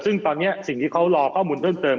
ซึ่งตอนนี้สิ่งที่เขารอข้อมูลเพิ่มเติม